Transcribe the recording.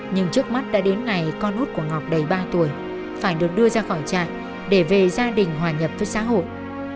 nhưng trước mắt đã đến ngày con út của ngọc đầy ba tuổi phải được đưa ra khỏi trại để về gia đình hòa nhập với xã hội